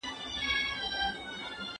¬ مرگ کله نخرې کوي، کله پردې کوي.